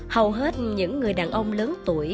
hầu hết những người đàn ông lớn tuổi